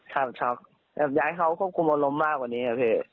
ครับครับอยากให้เขาควบคุมอารมณ์มากกว่านี้ครับพี่